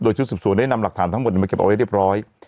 ชุดสืบสวนได้นำหลักฐานทั้งหมดมาเก็บเอาไว้เรียบร้อย